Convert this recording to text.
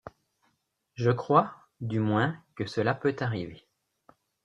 Je crois, du moins, que cela peut arriver.